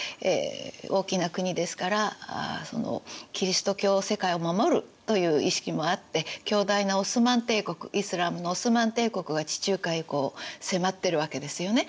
大きな国ですからキリスト教世界を守るという意識もあって強大なオスマン帝国イスラームのオスマン帝国が地中海を迫ってるわけですよね。